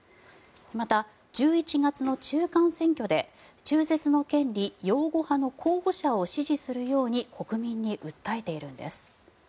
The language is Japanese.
また、１１月の中間選挙で中絶の権利擁護派の候補者を支持するように国民に訴えているんです。